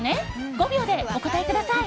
５秒でお答えください。